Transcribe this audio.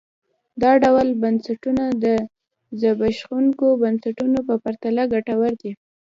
دا ډول بنسټونه د زبېښونکو بنسټونو په پرتله ګټور دي.